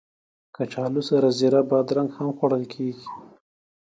کچالو سره زېړه بادرنګ هم خوړل کېږي